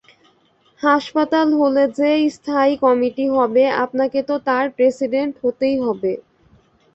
হাসপাতাল হলে যে স্থায়ী কমিটি হবে আপনাকে তো তার প্রেসিডেন্ট হতেই হবে।